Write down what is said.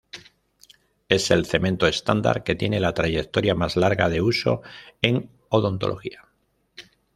Es el cemento estándar que tiene la trayectoria más larga de uso en odontología.